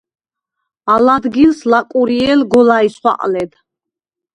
ალ არდგილს ლაკურიჲელ გოლაჲს ხვაყლედ.